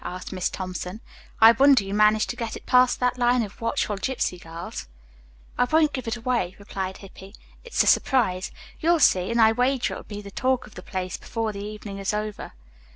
asked Miss Thompson. "I wonder you managed to get it past that line of watchful gipsy girls." "I won't give it away," replied Hippy. "It's a surprise. You'll see, and I wager it will be the talk of the place before the evening is over."